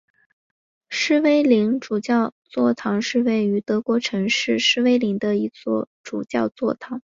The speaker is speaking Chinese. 诗威林主教座堂是位于德国城市诗威林的一座主教座堂。